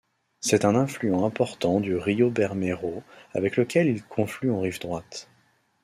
C'est un affluent important du río Bermejo avec lequel il conflue en rive droite.